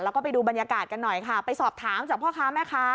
แล้วก็ไปดูบรรยากาศกันหน่อยค่ะไปสอบถามจากพ่อค้าแม่ค้า